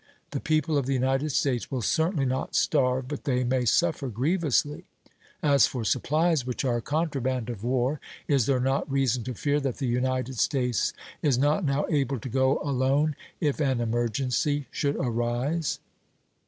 The people of the United States will certainly not starve, but they may suffer grievously. As for supplies which are contraband of war, is there not reason to fear that the United States is not now able to go alone if an emergency should arise?